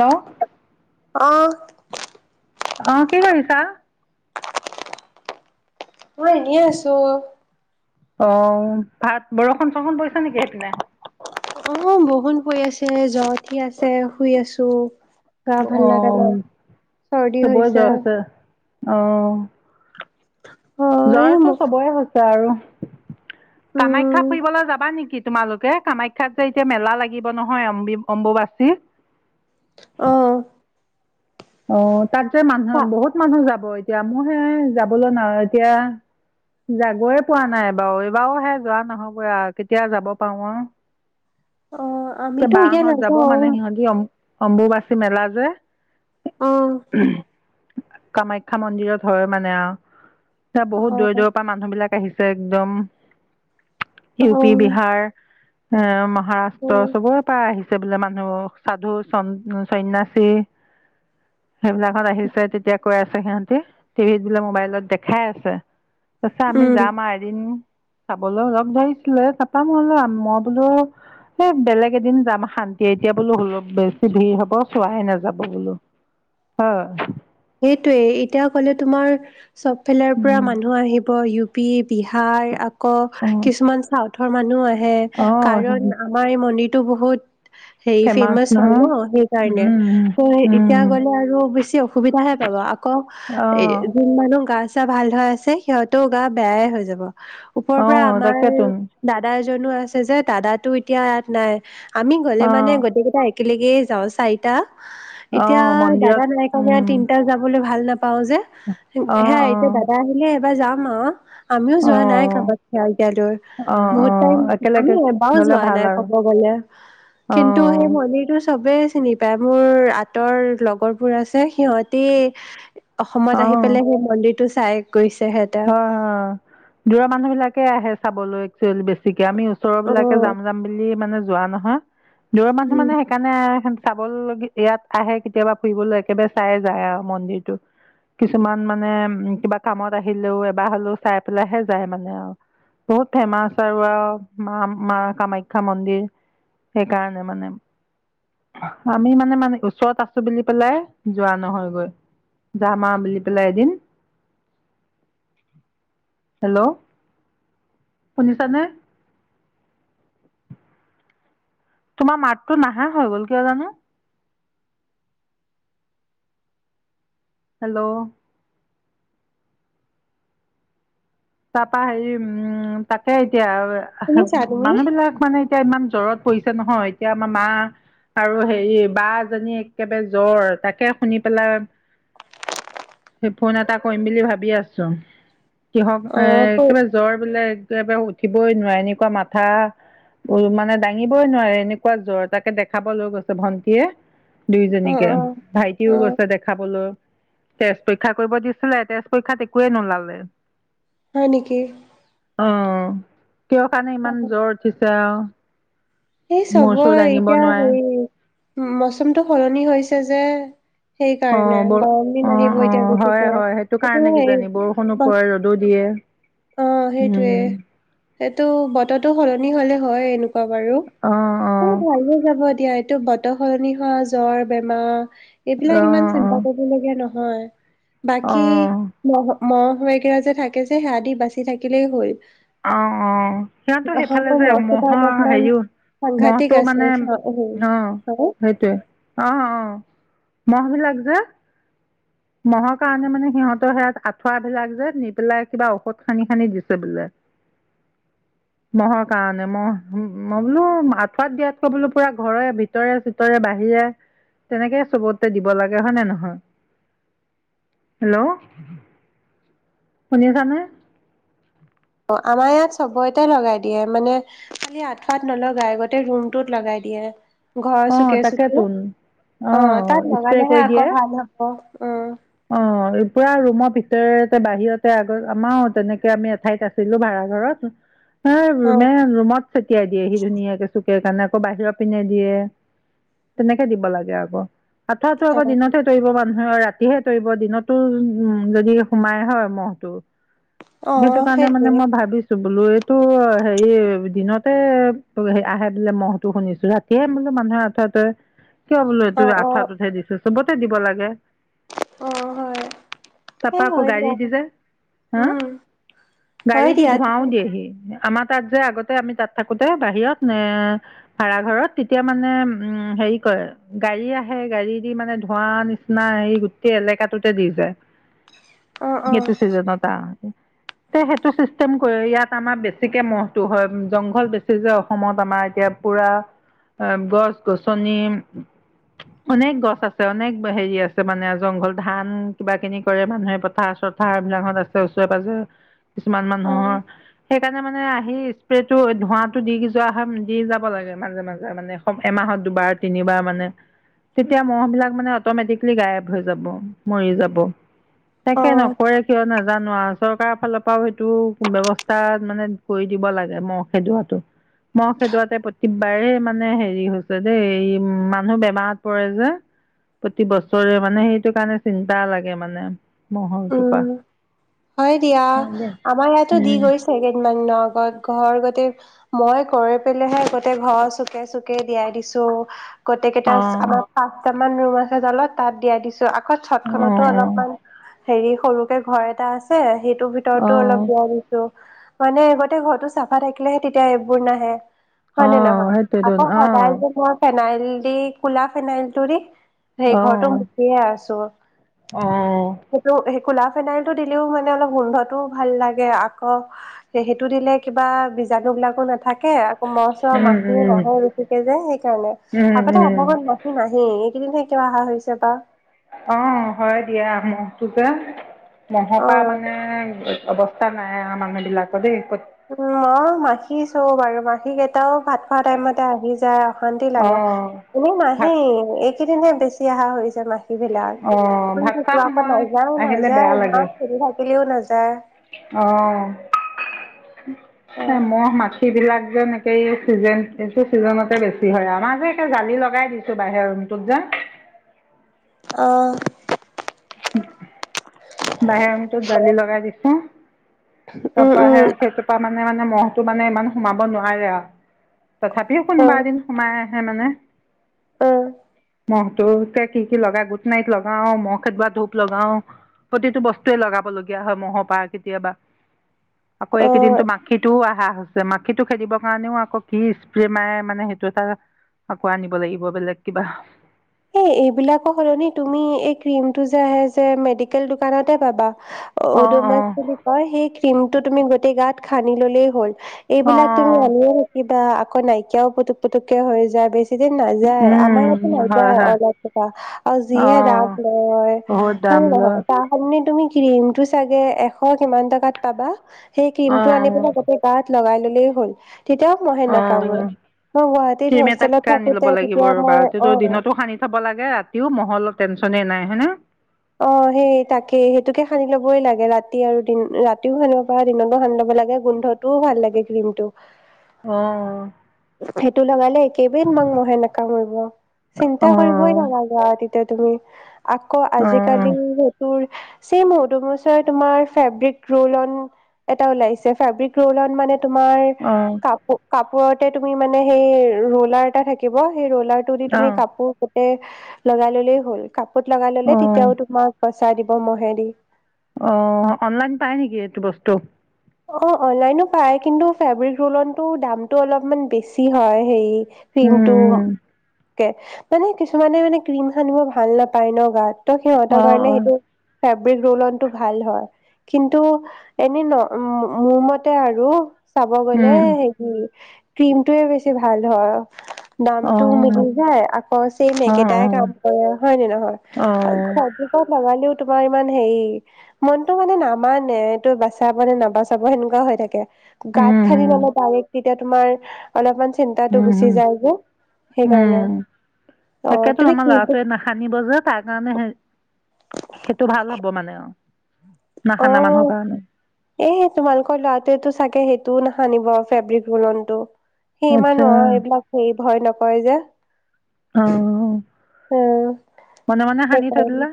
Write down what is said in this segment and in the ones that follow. Hello. অহ। অ কি কৰিছা? মই এনেই আছোঁ। অ ভাত বৰ।। বৰষুণ চৰষুন পৰিছে নেকি সেইপিনে? অ বৰষুণ পৰি আছে জ্বৰ উঠি আছে শুই আছোঁ। গা ভাল অ লাগা নাই চৰ্দি হৈছে। অঁ। অ এই জ্বৰ উম টো চবৰে হৈছে। [unintelligible] আৰু কামাখ্যা ফুৰিবলৈ যাবা নেকি? তোমালোকে কামাখ্যাত যে এতিয়া মেলা লাগিব নহয় অম্বুবাচী অ অ তাত যে মানুহে বহুত মানুহ যাব। এতিয়া মোৰ হে যাবলৈ নাই এতিয়া গয়য়ে পোৱা নাই এবাৰো এইবাৰো মেই যোৱা নহব আৰু কেতিয়া যাব পাৰো আৰু। অ ত আমিতো বা এতিয়া হত যাব নাযাওঁ মানে সিহঁতি অম্বুবাচী মেলা যে। অ [unintelligible] কামাখ্যা মন্দিৰত হয় মানে আৰু। এতিয়া বহুত দুৰ অ দুৰৰ পৰা মানুহ বিলাক আহিছে। একদম। ইউ অ পি বিহাৰ। অ', মাহাত অ ত চবৰে পাই আহিছে বোলে মানুহ, সাধু, চন সন্যাসী, সেইবিলাকত আহিছে তেতিয়া কৈ আছে সিহতি, টিভিত বোলে মোবাইলত দেখাই আছে। [unintelligible] আমি উম যাম আ এদিন চাবলৈ লগ ধৰিছিলে তাপা মোলে মই বোলো এই বেলেগ এদিন যাম শান্তিয়ে এতিয়া বোলো হল বেছি ভিৰ হব চোৱাহে নাযাব বোলো, হয়। সেইটোয়ে এতিয়া ক'লে তোমাৰ চব ফালৰ পৰা মানুহ আহিব ইউ পি, বিহাৰ আকৌ উম কিছুমান চাউথৰ মানুহ আহে এ অ কাৰণ অ আমাৰ এই মন্দি টো বহুত হেই ফেমাচ হয় ন সেইকাৰণে, উম ত' এতিয়া উম গ'লে আৰু অবইচে অ সুবিধাহে পাব, আকৌ অ এ যোন মানুহ গাছ যাৰ ভাল [unintelligible] আছে সিহঁতেও গা বেয়ায়ে হৈ যাব। ওপৰৰ অ পৰা আমাৰ তাকেতো দাদাৰ জনো আছে যে দাদাটো এতিয়া ইয়াত নাই আমি গ'লে অ মানে গোটেইকেইটাই একেলগেই যাওঁ, চাৰিটা অ এতিয়া দাদা মন্দিৰত নাই উম [unintelligible] তিনিটা যাব ভাল নাপ পাওঁ যে, অ হেয়াই অ এতিয়া দাদা আহিলে যাম আ আমিও অ যোৱা নাই কাবাক [unintelligible] লৈ অ অ বহুত টাইম, আমি একেলগে এবাও গলে যোৱা ভাল নাই আৰু ক'ব গ'লে, অ অ কিন্তু সেই মন্দিৰটো চ'বে চিনি পাই, মোৰ আতৰ লগৰবোৰ আছে সিহঁতি অসমত আহি পেলাই সেই মন্দিৰ টো চাই গৈছে সিহঁতে অ', অ', দূৰৰ মানুহ বিলাকে আহে চাবলৈ চুয়েল বেছি আমি ওচৰৰ অ বিলাকে যাম-যাম বুলি মানে যোৱা নহয়, দূৰৰ মানুহ উম মানে সেইকাণে ইয়াত আহে কেতিয়াবা ফুৰিবলৈ একেবাৰে চাইয়ে যায় আহ মন্দিৰটো, কিছুমান মানে কিবা কামত আহিলেও এবাৰ হলেও চাই পেলাইহে যায় মানে আৰু বহুত ফেমাচ আৰু-আৰু মা-মা কামাখ্যা মন্দিৰ সেইকাৰণে মানে, আমি মানে-মানে ওচৰত আছো বুলি পেলাই যোৱা নহয়গৈ, যাম হা বুলি পেলাই এদিন হেল্ল', শুনিছানে? তোমাৰ মাতটো নাহা হৈ গল কিয় জানো হেল্ল' তাৰপা হেৰি উম তাকে এতিয়া শুনিছা তুমি মানুহবিলাক মানে এতিয়া ইমান জ্বৰত পৰিছে নহয়, এতিয়া আমাৰ মা আৰু হেৰি বা এজনী একেবাৰে জ্বৰ, তাকে শুনি পেলাই ফোন এটা কৰিম বুলি ভাবি আছো, সিহ এ অ কৈ কিবা জ্বৰ বোলে উঠিবই নোৱাৰে এনেকুৱা মাথা, উ মানে দাঙিবই নোৱাৰে এনেকুৱা জ্বৰ, তাকে দেখাবলৈ গৈছে, ভন্টিয়ে অ দুয়োজনীকে, অ অ ভাইটিও গৈছে দেখাবলৈ, তেজ পৰীক্ষা কৰিব দিছিলে, তেজ পৰীক্ষাত একোৱে নোলালে হয় নেকি? [inaudible] কিহৰ কাৰণে ইমান জ্বৰ উঠিছে সেই মূৰ চুৰ চবৰ দাঙিব এতিয়া নোৱাৰে হেৰি মৌচমটো সলনি হৈছে যে অ, সেইকাৰণে ব, গৰম অ, দিন আহিব অ, এতিয়া হয়, বেছিকে হয়, সেইটো এইটো কাৰণে হেৰি কিজানি বৰষুণও ব পৰে ৰ'দো দিয়ে। অ সেইটোৱে। উম সেইটো বতৰটো সলনি হলে হয় এনেকু বাৰু, অ অ ভালে যাব দিয়া এইটো বতৰ সলনি হোৱা জ্বৰ, বেমাৰ অ এইবিলাক ইমান অ চিন্তা কৰিবলগীয়া নহয হয় বাকি অ', মহ, বেগেৰা যে থাকে যে সেয়া আদি বাচি থাকিলেই হ'ল। আহ, অ, সিহতো সেইফালে অসমৰ যে মহ কেইটা মহৰ অলপমান হেৰিও, সাংঘাতিক মহটো আছে মানে আহ হয় সেইটোয়ে আহ, অ। মহ বিলাক যে মহৰ কাৰণে মানে সিহঁতৰ সেয়াত আঁঠুৱা বিলাক যে নি পেলাই কিবা ঔষধ সানি-সানি দিছে বোলে। মহৰ কাৰণে মহ মই বোলো আঁঠুৱাত দিয়াতকৈ বোলো পুৰা ঘৰে ভিতৰে চিতৰে বাহিৰে তেনেকে চবতে দিব লাগে হয়নে নহয়। হেল্ল' শুনি আছানে? অ আমাৰ ইয়াত চবতে লগাই দিয়ে মানে খালি আঠুৱাত নলগাই গোতেই ৰুমটোত লগাই দিয়ে। ঘৰ অ', চুকে-চুকে তাকেতোন অ তাত স্প্ৰে লগালেহে কৰি আকৌ দিয়ে। ভাল হ'ব। উম অ' পুৰা ৰুমৰ ভিতৰতে বাহিৰতে আগত আমাৰও তেনেকে আমি এঠাইত আছিলো ভাড়া ঘৰত। হ অ ৰুমে ৰুমত চটিয়াই দিয়ে সি ধুনীয়াকে চুকে কাৰণে আকৌ বাহিৰৰ পিন্ধাই দিয়ে তেনেকে দিব লাগে আকৌ। আঠুৱা আকৌ দিনতে আতৰাৱ হয় ৰাতি ৰাতিহে তৰিব দিনতটো উ যদি সোমাই হয় মহটো। অ অ সেইটো কাৰণে সেইটোৱে মানে মই ভাবিছো বোলো এইটো হেৰি দিনত। আহে বোলে মহো শুনিছো ৰাতিয়ে বোলো মানুহৰ আঠুৱা তৰে। কিয় বোল অ এইটো অ আঠোৱা উঠাই দিছো। চবতে দিব লাগে। অ হয় তাৰপা সেই আকৌ হয় দিয়া গাড়ী দি যে হা উম গাড়ী হয় দি দিয়া ধৱাও দিয়েহি। আমাৰ তাত যে আগতে আমি তাত থাকোতে বাহিৰত এ ভা়ৰাঘৰত তেতিয়া মানে উম হেৰি কয় গাড়ী আহে গাড়ী দি মানে ধোৱা নিচিনা এই এলেকাটোতে দি যায়। অ অ এইতু চিজুঁনৰ পৰা। তে সেইটো চিষ্টেম কৰি ইয়াত আমাৰ বেছিকে মহটো হয় জংঘল বেছি যে অসমত আমাৰ এতিয়া পুৰা গছ গছনি অনেক গছ আছে অনেক হেৰি আছে মানে। জংঘল ধান কিবা খিনি কৰে মানুহে পথাৰ চথাৰ বিলাকত আছে ওচৰে পাজৰে। কিছুমান অ মানুহৰ সেইকাৰণে মানে আহি স্প্ৰেটো ধোঁৱটো দি যোৱা হয় দি যাব লাগে মাজে-মাজে মানে স এমাহত দুবাৰ তিনিবাৰ মানে তেতিয়া মহ' বিলাক মানে অটমেটিকেলি গাৱেপ। হৈ যাব মৰি যাব। অ তাকে নকৰে কিয় নাজানো। চৰকাৰৰ ফালৰ পৰাও সেইটো বেব্যস্তা মানে কৰি দিব লাগে মহ খেদোৱাটো মহ খেদোৱাতে প্ৰতিবাৰে মানে হেৰি হৈছে দেই মানুহ বেমাৰত পৰে যে প্ৰতি বছৰে মানে মানে সেইটো কাৰণে চিন্তা লাগে মানে মহৰটোৰ পৰা। উম হয় দিয়া আমাৰ ইয়াতো দি উম। গৈছে কেইদিনমান দিনৰ আগত ঘৰ গোতে, মই কৰি পেলাইহে গোতে ঘৰ চুকে-চুকে দিয়াই দিছো। গোটেই কেইটা আম অ', পাঁচ আ ৰুম আছে জালত তাত দিয়াই দিছো। চতখনতো অ', অলপমান, হেৰি সৰুকে ঘৰ এটা আছে। আছে সেই তোৰ ভিতৰতো অলপ অ', দিয়াই দিছো মানে আগতে ঘৰটো চাফা থাকিলেহে তেতিয়া এইবোৰ নাহে। হয় নে অ', নহয় সেইটোৱেইটোন আকৌ অ', সদায় যে মই ফেনাইল দি কোলা, ফেনাইল টো ৰি সেই ঘৰতো অ', মচিয়ে আছো, অ সেইটো খোলা ফেনাইলটো দি ও মানে অলপ গোন্ধতোও ভাল লাগে আকৌ সেইটো দিলে কিবা বীজাণু বিলাকো নাথা কে আকৌ মহ চহ উম, মাখি উম, [unintelligible] যে সেইকাৰণে উম, আগতে আমাৰ উম, ঘৰত মাখি নাহেই, এইকেইদিন হে একে কিয় অহা হৈছে বা। অঁ হয় দিয়া, মহটো যে অ মহপা মানে অৱস্থ স্থা নাই আৰু মানুহ বিলাকৰ দেই। উম মহ মাখি চব আৰু মাখ খিকেইটাও ভাত খোৱা টাইমতে আহি যায় অশান্তি লাগে, অ', এনেই ভাত নাহেই এইকেইদিনে বেছ চি অহা হৈছ চে মাখিবিলাক, অ', ভাত [unintelligible] খোৱা পা সময় নাযায়- আহিলে নাযায় ইমান খেদি থাকিলেও নায যায় অঁ অ সেই মহ মাখিবিলাক যেন একে এই চিজন এইটো চিজনতে বেছি হয়, আমাৰ যে একে জালি লগাই দিছোঁ বাহিৰৰ ৰুমটোত যে। অঁ। [inaudible] বাহিৰৰ ৰূমটোত জালি লগাই দিছো। উম- উম। মানে মানে মহটো মানে ইমান সোমাব নোৱাৰে আৰু। তথাপিও কোনোবা এদিন সোমাই আহ হে মানে। অঁ। [unintelligible] কি- কি লগাই গুড নাইট লগাও ম কেতিয়াবা ধূপ লগাও, প্ৰতিটো বস্তুৱে লগাব লগীয়া হয় মহ'ৰ পাৰ কেতিয়াবা। আকৌ এই অ কেইদিনটো মাখিটোও আহ - হা হৈছে মাখিটো খেদিবৰ কাৰণেও আকৌ কি স্প্ৰে মাৰে মানে সেইটো এটা আকৌ আনিব লাগিব বেলেগ কিবা। এ এইবিলাকৰ হলনি তুমি এই ক্ৰিম টো যে আহে যে মেডিকেল দোকানতে পাবা। অঁ ওদোমছ অঁ বুলি কয় সেই ক্ৰীমটো তুমি গোটেই গাত সানি ল'লেই হ'ল। এইবিলাক তুমি অঁ আনিয়ে নেকি বা আকৌ নাইকিয়াও পুক পুটুকে হৈ যায় বেছ বেছি দিন নাযায় আমাৰ ইয়াতে উম নাই হয় যায়, হয় অলআউট কেইটা আৰু যিহে দাম অঁ লয় বহুত হয় দাম লয় নহয়, তাৰ সলনি তুমি ক্ৰীমতটো চাগে এশ কিমান টকাত পাবা। সেই ক্ৰীম টো আনি অঁ পেলাই গোটেই গাত লগাই ললেই হ'ল। তেতিয়াও মহে নাকামৰে অঁ মই গুৱাহাটীত ক্ৰীম হোষ্টেলত এটাকে থাকোতে তেতিয়া মই অহ চাব লাগে ৰাতিও মহৰ অলপ টেনচনে নাই হয়ে নে। অহ ', সেই তাকেই সেইটোকে সানি লবই লাগে ৰাতি আৰু দিন ৰাতিও সানিব পাৰ দিনতো সানি ল'ব লাগে গোন্ধটোও ভাল লাগে ক্ৰীমটো। অহ', সেইটো লগালে একেবেই তোমাক মহেনে কামৰিব চিন্তা কৰিবই অঁ নালাগে আৰু। তে তুমি আকৌ অঁ আজিকালি হেতুৰ ছেম হয় হেটো বছৰ তোমাৰ ফেব্ৰিক ৰল অন এটা ওলাইছে ফেব্ৰিক ৰল অন মানে তোমাৰ অঁ কাপো কাপোৰত তুমি মানে সেই ৰোলাৰ এটা থাকিব। সেই ৰোলাৰ টো দি তুমি অঁ কাপোৰ লগাই ললেই হ'ল। কাপত লগাই ললে অঁ তেতিয়াও তোমাক পচাই দিব মহেদি। অহ ', অনলাইন পায় নেকি এইটো বস্তু। অহ ', অনলাইনো পায় কিন্তু ফেব্ৰিক ৰোলতটো দামতটো অলপমান বেছি হয় হে অঁ ক্ৰিমটো। কে কিছুমানে মানে ক্ৰীম সানিব ভাল নাপায় ন গাত। সিহতৰ অঁ কাৰণে সেইটো ফেব্ৰিক ৰোল অন টো ভাল হয় কিন্তু এনেই ন উম, মোৰ মতে আৰু চাব অঁ গলে হেৰি ক্ৰীমটো বেছি ভাল হয়। দামতটো অঁ মিলি যায় আকৌ চেইমেকেটাই কাম কৰে হয় ন নহয় অঁ চজিকত লগালেও তোমাৰ ইমান হেৰি মনতটো মানে নামানে তই বাচা মানে নাবাচাব সেনেকুৱা হৈ থাকে। গাঁত খান্দি মানে তাৰে [unintelligible] এতিয়া তোমাৰ অলপমান চিন্তাটো গুচি যায় যে। সেইকাৰণে উম-উম-উম অ তাকেতো তুমি আমাৰ কি ল'ৰাটোৱে নখানিব যে তাৰ কাৰণে হেই সেইটো ভাল হ'ব মানে অহ। অহ' এহে তোমালোকৰ লৰাটোৱে তো চাগে সেই তো নখানিব ফেব্ৰিক লন টো। সেইমান আচ্ছা এইবিলাক সেই ভয় নকৰে যে। অ' উম মনে -মনে সানি থৈ সেইকাৰণে। দিলে।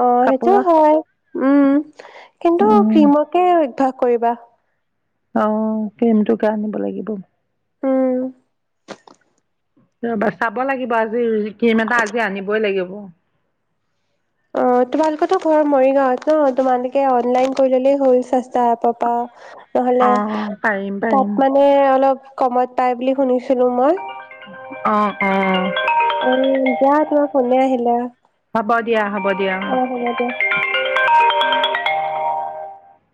অ' সেইটো হয় উ'ম কিন্তু উম ক্ৰীমকে অভ্যাস কৰিবা। অ' ক্ৰীমটোকে আনিব লাগিব। উ'ম। ৰবা চাব লাগিব আজি ক্ৰীম এটা আজি আনিবই লাগিব। অ' তোমালোকৰটো ঘৰৰ মৰিগাঁৱত ন। তোমালোকে অনলাইন কৰি ললেই হল স্ৰষ্টা এপৰ পৰা। অ ন'হলে পাৰিম পাৰিম প'প মানে অলপ। ক'মত পাই বুলি শুনিছিলো। মই। অ', অ'। অ' যা তোমাৰ ফোনে আহিলে। হ'ব দিয়া, হ'ব দিয়া। অ হ'ব দিয়া